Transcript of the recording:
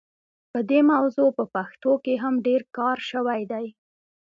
په دې موضوع په پښتو کې هم ډېر کار شوی دی.